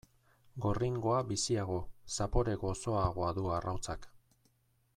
Gorringoa biziago, zapore gozoagoa du arrautzak.